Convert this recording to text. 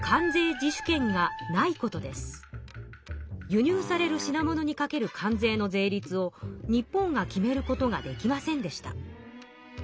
輸入される品物にかける関税の税率を日本が決めることができませんでした。